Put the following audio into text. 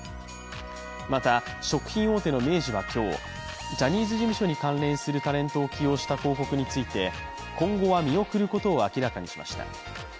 また、食品大手の明治は今日、ジャニーズ事務所に関連するタレントを起用した広告について今後は見送ることを明らかにしました。